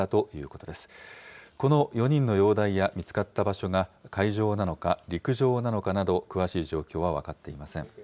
この４人の容体や見つかった場所が海上なのか、陸上なのかなど、詳しい状況は分かっていません。